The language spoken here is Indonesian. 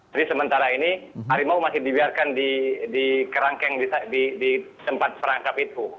jadi sementara ini harimau masih dibiarkan di kerangkeng di tempat perangkap itu